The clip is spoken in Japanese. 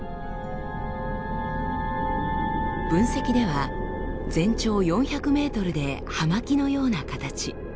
分析では全長４００ｍで葉巻のような形。